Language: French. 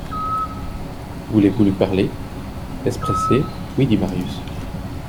Voulez-vous lui parler ? est-ce pressé ? Oui, dit Marius.